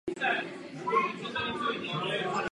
Náčelník jmenuje a odvolává velitele Hradní stráže.